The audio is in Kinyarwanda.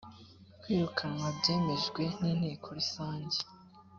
kwirukanwa byemejwe n inteko rusange